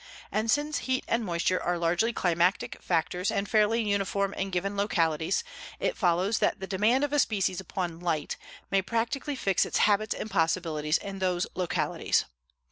And since heat and moisture are largely climatic factors and fairly uniform in given localities, it follows that the demand of a species upon light may practically fix its habits and possibilities in those localities.